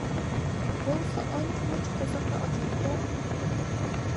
بولسا ئانچە مۇنچە قورساقنى ئاچ تۇتۇڭ!